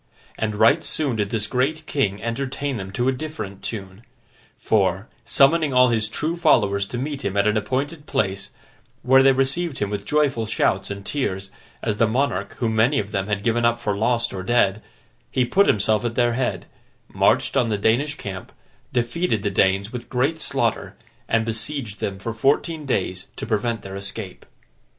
And right soon did this great king entertain them to a different tune; for, summoning all his true followers to meet him at an appointed place, where they received him with joyful shouts and tears, as the monarch whom many of them had given up for lost or dead, he put himself at their head, marched on the Danish camp, defeated the Danes with great slaughter, and besieged them for fourteen days to prevent their escape.